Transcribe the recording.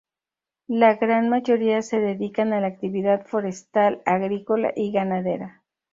La gran mayoría se dedican a la actividad forestal, agrícola y ganadera.